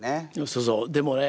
そうそうでもね